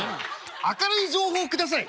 「明るい情報を下さい」。